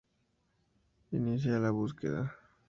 Inicia la búsqueda.